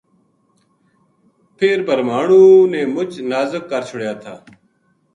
پیر بھربھانو نے مُچ نازک کر چھُڑیا تھا